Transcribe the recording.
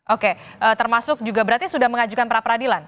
oke termasuk juga berarti sudah mengajukan pra peradilan